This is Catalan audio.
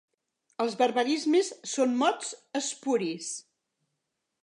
Els barbarismes són mots espuris.